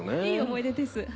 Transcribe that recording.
いい思い出です。